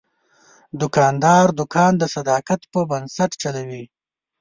دوکاندار دوکان د صداقت په بنسټ چلوي.